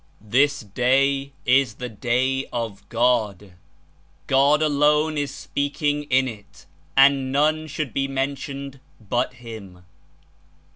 "This Day Is the Day of God; God alone Is speak ing In it, and none should be mentioned but Him.